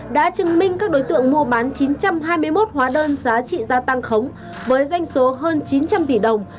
đã chứng minh các đối tượng mua bán chín trăm hai mươi một hóa đơn giá trị gia tăng khống với doanh số hơn chín trăm linh tỷ đồng